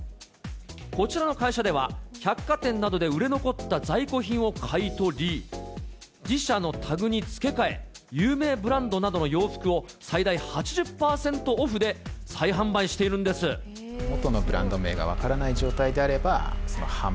こちらの会社では、百貨店などで売れ残った在庫品を買い取り、自社のタグに付け替え、有名ブランドなどの洋服を最大８０％オフで再販売しているんで元のブランド名が分からない